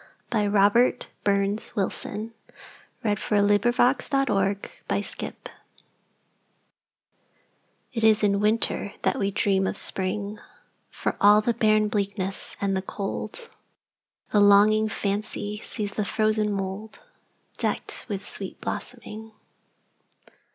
By Robert BurnsWilson 1047 It Is in Winter That We Dream of Spring IT is in Winter that we dream of Spring; For all the barren bleakness and the cold, The longing fancy sees the frozen mouldDecked with sweet blossoming.